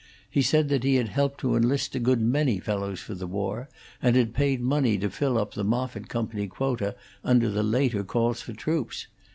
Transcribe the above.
He said that he had helped to enlist a good many fellows for the war, and had paid money to fill up the Moffitt County quota under the later calls for troops.